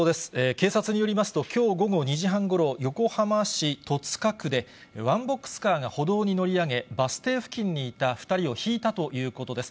警察によりますと、きょう午後２時半ごろ、横浜市戸塚区で、ワンボックスカーが歩道に乗り上げ、バス停付近にいた２人をひいたということです。